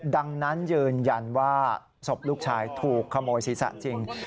ดังนั้นยืนยันว่าศพลูกชายถูกขโมยศีรษะจริง